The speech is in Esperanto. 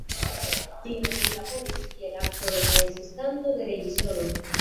Tiam li laboris kiel aktoro kaj asistanto de reĝisoro.